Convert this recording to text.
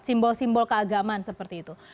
simbol simbol keagaman seperti itu